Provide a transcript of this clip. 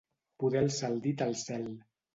Poder alçar el dit al cel.